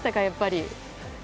やっぱり。